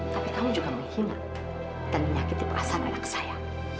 tapi kamu juga menghina dan menyakiti perasaan anak saya